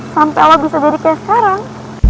sampai allah bisa jadi kayak sekarang